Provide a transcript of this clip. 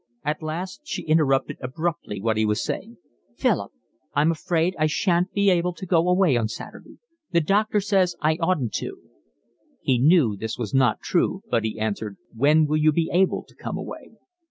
At last she interrupted abruptly what he was saying: "Philip, I'm afraid I shan't be able to go away on Saturday. The doctor says I oughtn't to." He knew this was not true, but he answered: "When will you be able to come away?"